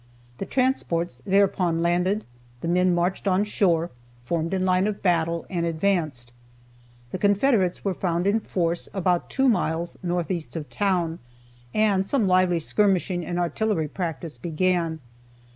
The transports thereupon landed, the men marched on shore, formed in line of battle, and advanced. The Confederates were found in force about two miles northeast of town, and some lively skirmishing and artillery practice began.